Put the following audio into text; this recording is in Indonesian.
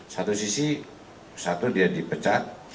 satu sisi satu dia dipecat